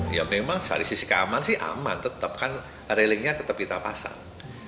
ya memang dari sisi keamanan sih aman tetap kan railingnya tetap kita pasang